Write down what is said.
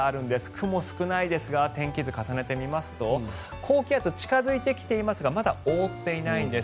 雲が少ないですが天気図を重ねてみますと高気圧、近付いてきていますがまだ覆っていないんです。